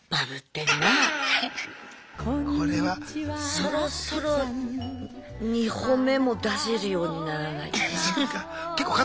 そろそろ２歩目も出せるようにならないとな。